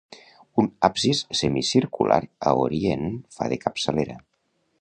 Un absis semicircular a orient fa de capçalera.